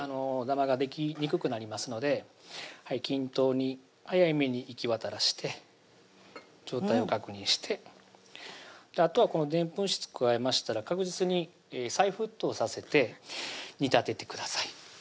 ダマができにくくなりますので均等に早いめに行き渡らして状態を確認してあとはこのでんぷん質加えましたら確実に再沸騰させて煮立ててください